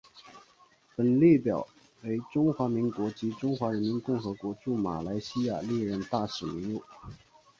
本列表为中华民国及中华人民共和国驻马来西亚历任大使名录。